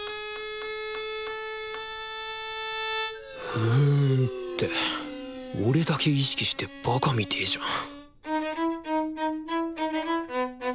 ふんって俺だけ意識してバカみてえじゃんん